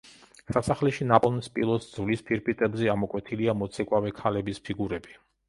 სასახლეში ნაპოვნ სპილოს ძვლის ფირფიტებზე ამოკვეთილია მოცეკვავე ქალების ფიგურები.